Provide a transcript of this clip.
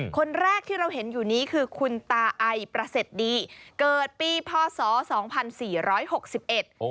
คนแรกที่เราเห็นอยู่นี้คือคุณตาไอประเสริฐดีเกิดปีพศสองพันสี่ร้อยหกสิบเอ็ด